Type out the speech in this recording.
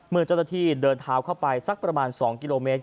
เมื่อเจ้าหน้าที่เดินเท้าเข้าไปสักประมาณ๒กิโลเมตร